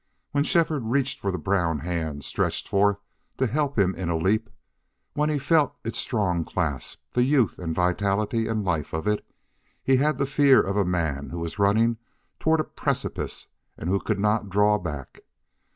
When Shefford reached for the brown hand stretched forth to help him in a leap, when he felt its strong clasp, the youth and vitality and life of it, he had the fear of a man who was running towards a precipice and who could not draw back.